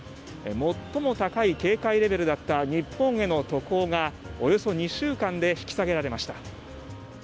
最も高い警戒レベルだった日本への渡航がおよそ２週間で引き下げられました。